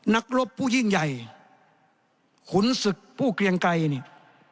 นักรบผู้ยิ่งใหญ่ขุนศึกผู้เกลียงไกรเนี่ย